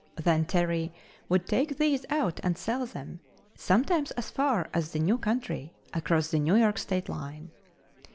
Then Terry would take these out and sell them, sometimes as far as the "new country" across the New York state line.